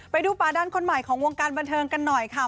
ไปดูป่าดันคนใหม่ของวงการบันเทิงกันหน่อยค่ะ